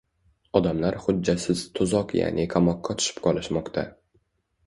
Odamlar hujjatsiz “tuzoq”, yaʼni qamoqqa tushib qolishmoqda.